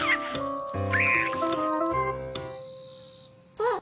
あっ。